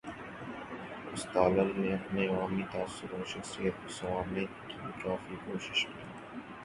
استالن نے اپنے عوامی تاثر اور شخصیت کو سنوارنے کی کافی کوشش کی۔